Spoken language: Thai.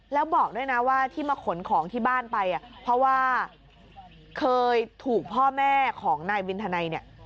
แล้วบอกด้วยนะว่าที่มาขนของที่บ้านไปเพราะว่าเคยถูกพ่อแม่ของนายวินธนัยเนี่ย